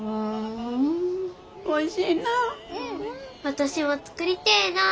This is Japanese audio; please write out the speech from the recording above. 私も作りてえなあ。